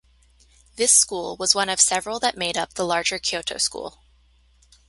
This school was one of several that made up the larger Kyoto school.